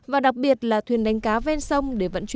và đặc biệt là thuyền đánh cá ven sông